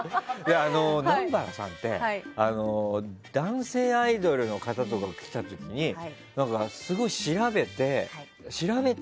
南原さんって男性アイドルの方とか来た時に、すごい調べて。